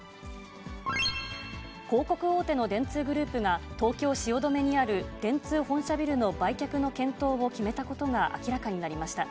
広告大手の電通グループが、東京・汐留にある電通本社ビルの売却の検討を決めたことが明らかになりました。